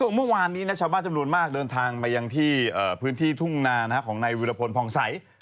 เมื่อวานนี้ชาวบ้านจำนวนมากเดินทางมายังที่พื้นที่ทุ่งนาของนายวิรพลพองใส